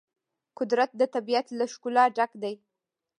قدرت د طبیعت له ښکلا ډک دی.